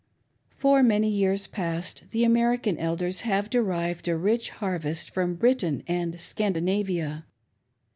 For many years pist, the American Elders have derived a rich harvest from Britain, and Scandinavia.